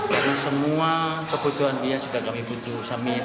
karena semua kebutuhan dia juga kami butuh samir